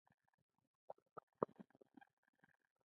د سطحي یا د ځمکي لاندي اوبو زیرمي باید ککړ.